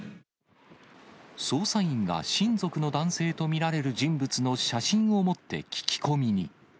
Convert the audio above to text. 捜査員が親族の男性と見られる人物の写真を持って聞き込みに。